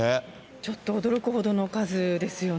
ちょっと驚くほどの数ですよね。